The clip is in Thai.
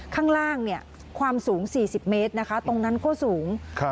ข้างล่างเนี่ยความสูง๔๐เมตรนะคะตรงนั้นก็สูง